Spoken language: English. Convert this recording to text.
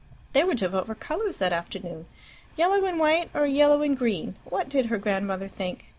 They were to vote for colours that afternoon yellow and white or yellow and green. What did her grandmother think?